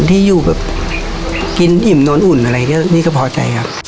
ที่อยู่แบบกินอิ่มนอนอุ่นอะไรก็นี่ก็พอใจครับ